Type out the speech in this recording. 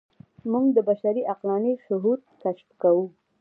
موږ د بشر عقلاني شهود کشف کوو.